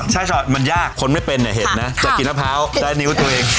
ใช่ค่ะมันยากคนไม่เป็นเนี่ยเห็นนะจะกินมะพร้าวได้นิ้วตัวเอง